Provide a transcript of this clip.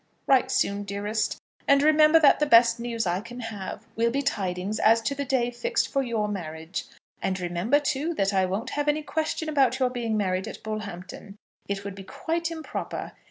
Write soon, dearest; and remember that the best news I can have, will be tidings as to the day fixed for your marriage. And remember, too, that I won't have any question about your being married at Bullhampton. It would be quite improper.